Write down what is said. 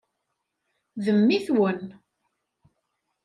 D mmi-twen.